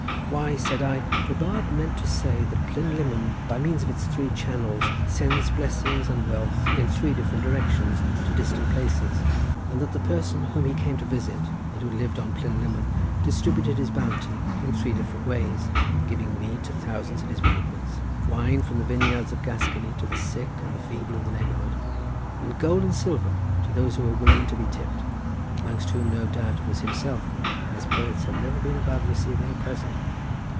"Why," said I, "the bard meant to say that Plynlimmon, by means of its three channels, sends blessings and wealth in three different directions to distant places, and that the person whom he came to visit, and who lived on Plynlimmon, distributed his bounty in three different ways, giving mead to thousands at his banquets, wine from the vineyards of Gascony to the sick and feeble of the neighbourhood, and gold and silver to those who were willing to be tipped, amongst whom no doubt was himself, as poets have never been above receiving a present."